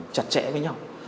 chặt chẽ với nhau